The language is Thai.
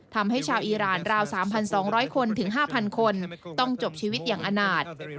ทำให้ชาวอีรานราว๓๒๐๐คนถึง๕๐๐คนต้องจบชีวิตอย่างอาณาจ